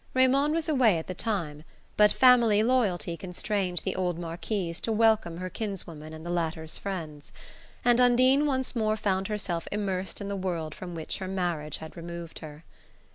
Raymond was away at the time, but family loyalty constrained the old Marquise to welcome her kinswoman and the latter's friends; and Undine once more found herself immersed in the world from which her marriage had removed her.